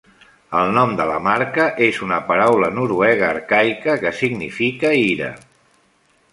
El nom de la marca és una paraula noruega arcaica que significa "ira".